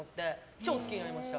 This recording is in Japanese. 超好きになりました。